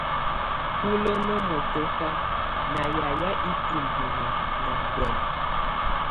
Hulənə mɔtɔka na yayɛ itumbinə na kwɛmɛ.